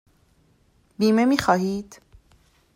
بیمه می خواهید؟